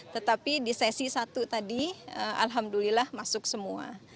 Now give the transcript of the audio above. tetapi di sesi satu tadi alhamdulillah masuk semua